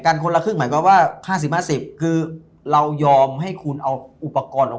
คนละครึ่งหมายความว่า๕๐๕๐คือเรายอมให้คุณเอาอุปกรณ์ออก